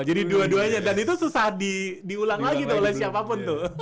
jadi dua duanya dan itu susah diulang lagi oleh siapapun tuh